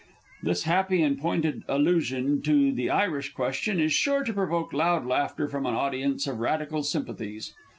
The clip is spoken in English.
_(This happy and pointed allusion to the Irish Question is sure to provoke loud laughter from an audience of Radical sympathies.